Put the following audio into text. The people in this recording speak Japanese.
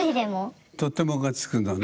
とてもがつくのね。